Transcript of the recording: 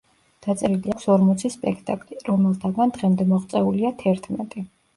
დაწერილი აქვს ორმოცი სპექტაკლი, რომელთაგან დღემდე მოღწეულია თერთმეტი.